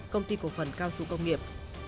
công ty cổ phần cao su công nghiệp